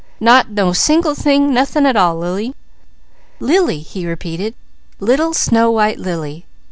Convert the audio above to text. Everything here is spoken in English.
Not no single thing nothing at all Lily! "Lily!" he repeated. "Little snow white lily!